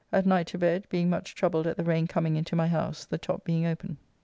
At night to bed, being much troubled at the rain coming into my house, the top being open.